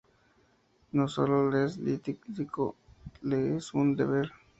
No sólo le es lícito, le es un deber.